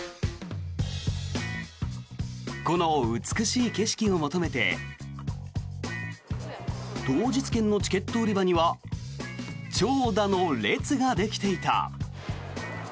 この美しい景色を求めて当日券のチケット売り場には長蛇の列ができていた。